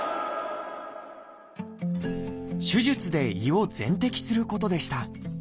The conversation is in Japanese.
手術で胃を全摘することでした。